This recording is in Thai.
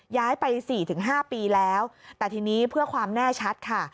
ย้ายไป๔๕ปีแล้วแต่ทีนี้เพื่อความแน่ชัดค่ะ